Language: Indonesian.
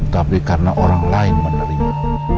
tapi karena orang lain menerima